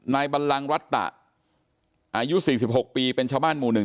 ในบันรังรัฐะอายุ๔๖ปีเป็นชาวบ้านมู่หนึ่ง